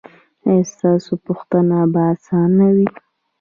ایا ستاسو پوښتنه به اسانه وي؟